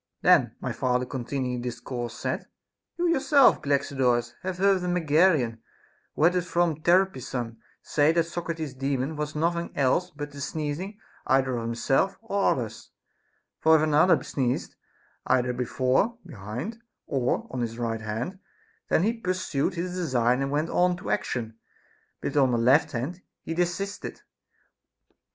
Then my father continu ing the discourse said : You yourself, Galaxidorus, have heard a Megarian, who had it from Terpsion, say that Socrates's Daemon was nothing else but the sneezing either of him self or others ; for if another sneezed, either before, behind him, or on his right hand, then he pursued his design and went on to action ; but if on the left hand, he desisted.